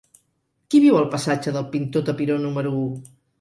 Qui viu al passatge del Pintor Tapiró número u?